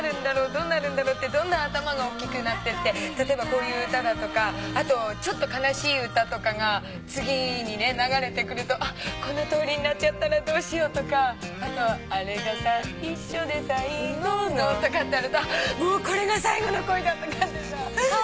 どうなるんだろうってどんどん頭がおっきくなってって例えばこういう歌だとかあとちょっと悲しい歌とかが次にね流れてくるとこのとおりになっちゃったらどうしようとかあと「あれが最初で最後の」とかってあるともうこれが最後の恋だとかってさ。